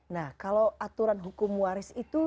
nah kalau aturan hukum waris itu